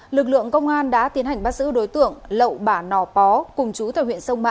lực lượng công an đã tiến hành bắt giữ đối tượng lậu bả nò bó cùng chú tại huyện sông mã